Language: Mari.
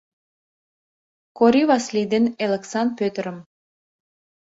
— Кори Васли ден Элыксан Пӧтырым!